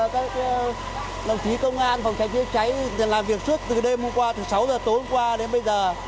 các đồng chí công an phòng cháy chữa cháy làm việc trước từ đêm hôm qua từ sáu giờ tối hôm qua đến bây giờ